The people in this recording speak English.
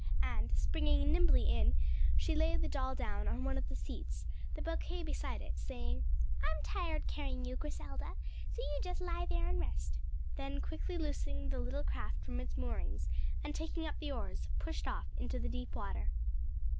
and springing nimbly in, she laid the doll down on one of the seats, the bouquet beside it, saying, "I'm tired carrying you, Griselda, so you just lie there and rest," then quickly loosing the little craft from its moorings, and taking up the oars, pushed off into the deep water.